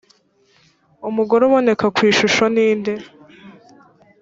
umugore uboneka ku ishusho ni nde?